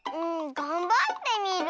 がんばってみる。